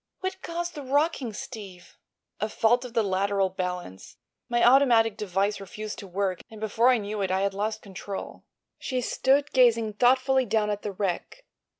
What caused the rocking, Steve?" "A fault of the lateral balance. My automatic device refused to work, and before I knew it I had lost control." She stood gazing thoughtfully down at the wreck.